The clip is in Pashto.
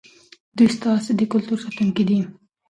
دوی ستاسې د کلتور ساتونکي دي.